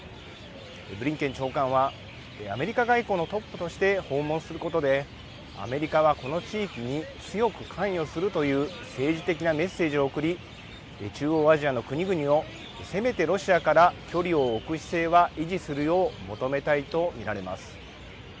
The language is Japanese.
ブリンケン長官はアメリカ外交のトップとして訪問することで、アメリカはこの地域に強く関与するという政治的なメッセージを送り中央アジアの国々をせめてロシアから距離を置く姿勢は維持するよう求めたいと見られます。